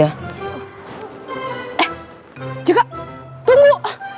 eh jaka tunggu